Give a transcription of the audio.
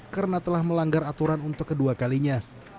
karena telah melanggar aturan untuk kedua kalinya